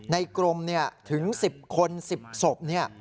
ในกรมถึง๑๐คน๑๐ศพ